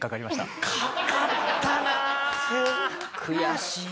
悔しい。